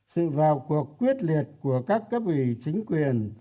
sự vào cuộc quyết liệt của các cấp ủy chính quyền